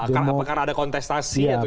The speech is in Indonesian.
apakah ada kontestasi atau